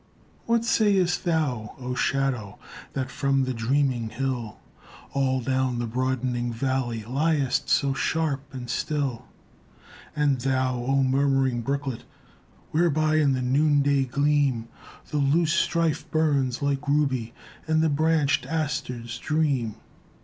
What sayest thou, Oh shadow, That from the dreaming hill All down the broadening valley Liest so sharp and still? And thou, Oh murmuring brooklet, Whereby in the noonday gleam The loosestrife burns like ruby, And the branchèd asters dream?